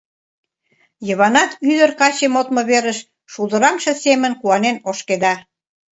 Йыванат ӱдыр-каче модмо верыш шулдыраҥше семын куанен ошкеда.